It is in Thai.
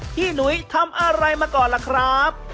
หนุยทำอะไรมาก่อนล่ะครับ